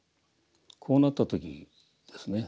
こうなった時ですね